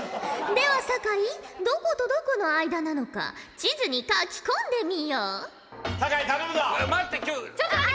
では酒井どことどこの間なのか地図に書き込んでみよ！